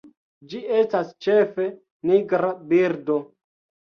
Ĝi estas ĉefe nigra birdo.